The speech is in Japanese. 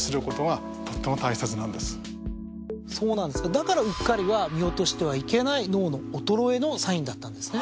だからうっかりは見落としてはいけない脳の衰えのサインだったんですね。